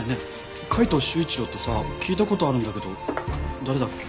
海東柊一郎ってさ聞いた事あるんだけど誰だっけ？